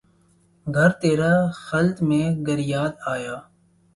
گھر ترا خلد میں گر یاد آیا